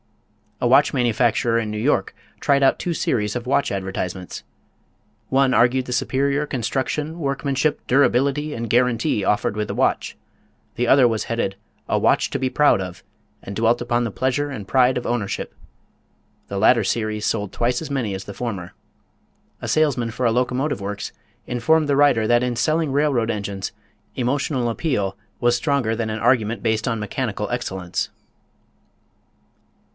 A watch manufacturer in New York tried out two series of watch advertisements; one argued the superior construction, workmanship, durability, and guarantee offered with the watch; the other was headed, "A Watch to be Proud of," and dwelt upon the pleasure and pride of ownership. The latter series sold twice as many as the former. A salesman for a locomotive works informed the writer that in selling railroad engines emotional appeal was stronger than an argument based on mechanical excellence.